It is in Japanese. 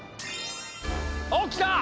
おっきた！